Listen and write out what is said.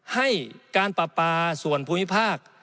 ให้การปราปาส่วนภูมิภาค